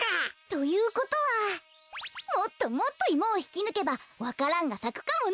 ということはもっともっとイモをひきぬけばわか蘭がさくかもね。